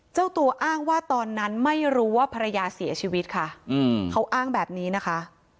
เจ้าตัวอ้างว่าตอนนั้นไม่รู้ว่าภรรยาเสียชีวิตค่ะเขาอ้างแบบนี้นะคะ